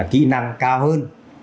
kỹ năng cao hơn